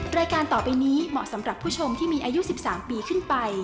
รายการต่อไปนี้เหมาะสำหรับผู้ชมที่มีอายุ๑๓ปีขึ้นไป